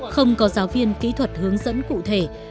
không có giáo viên kỹ thuật hướng dẫn cụ thể